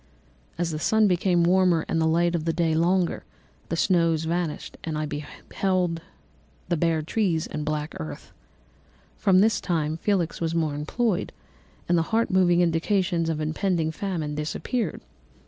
"As the sun became warmer and the light of day longer, the snow vanished, and I beheld the bare trees and the black earth. From this time Felix was more employed, and the heart moving indications of impending famine disappeared.